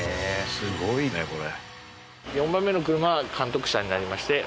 すごいねこれ。